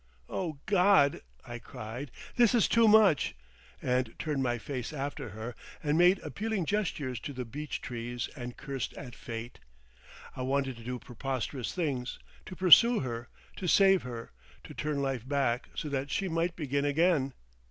"Oh God!" I cried, "this is too much," and turned my face after her and made appealing gestures to the beech trees and cursed at fate. I wanted to do preposterous things, to pursue her, to save her, to turn life back so that she might begin again.